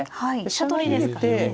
飛車取りですからね。